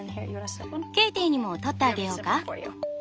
ケイティにも取ってあげようか？